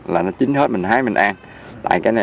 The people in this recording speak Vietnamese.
là nó chín hết mình hái mình ăn